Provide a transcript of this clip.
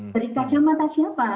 dari kacamata siapa